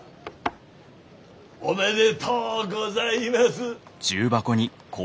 おめでとうございます。